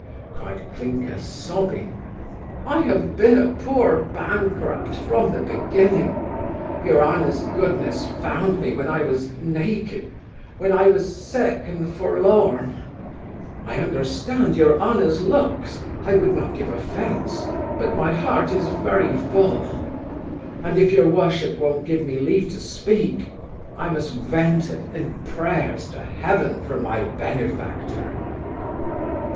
(cried Clinker, sobbing), I have been a poor bankrupt from the beginning your honour's goodness found me, when I was naked when I was sick and forlorn I understand your honour's looks I would not give offence but my heart is very full and if your worship won't give me leave to speak, I must vent it in prayers to heaven for my benefactor.